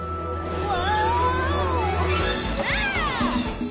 うわ！